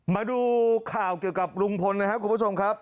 มาดูข่าวเกี่ยวกับลุงพลนะครับคุณผู้ชมครับ